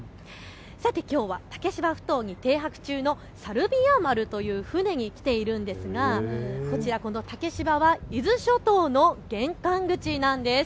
さてきょうは竹芝ふ頭に停泊中のさるびあ丸という船に来ているんですがこちら、この竹芝は伊豆諸島の玄関口なんです。